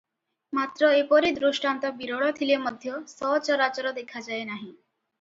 ମାତ୍ର ଏପରି ଦୃଷ୍ଟାନ୍ତ ବିରଳ ଥିଲେ ମଧ୍ୟ ସଚରାଚର ଦେଖାଯାଏ ନାହିଁ ।